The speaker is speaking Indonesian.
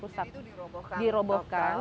jadi itu dirobohkan